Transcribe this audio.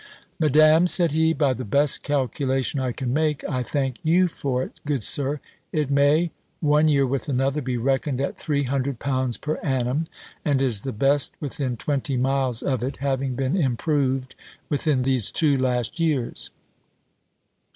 "Madam," said he, "by the best calculation I can make I thank you for it, good Sir it may, one year with another, be reckoned at three hundred pounds per annum; and is the best within twenty miles of it, having been improved within these two last years."